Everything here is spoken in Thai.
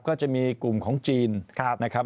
ก็จะมีกลุ่มของจีนนะครับ